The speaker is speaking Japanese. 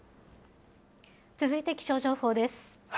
続いて気象情報です。